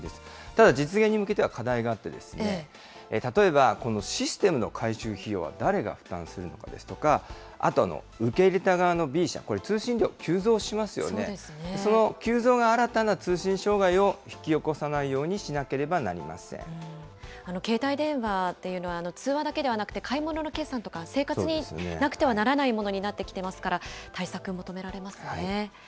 ただ、実現に向けては課題があって、例えば、このシステムの改修費用は誰が負担するのかですとか、あと、受け入れた側のＢ社、これ、通信量が急増しますよね、その急増が新たな通信障害を引き起こさ携帯電話というのは、通話だけではなくて、買い物の決済とか、生活になくてはならないものになってきていますから、対策求められますね。